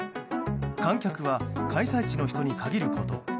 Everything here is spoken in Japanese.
観客は開催地の人に限ること。